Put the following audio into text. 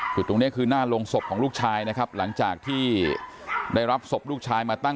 คือตรงนี้คือหน้าโรงศพของลูกชายนะครับหลังจากที่ได้รับศพลูกชายมาตั้ง